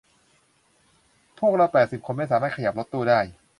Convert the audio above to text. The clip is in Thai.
พวกเราสิบแปดคนไม่สามารถขยับรถตู้ได้